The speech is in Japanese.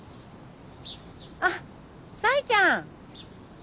あっさいちゃん。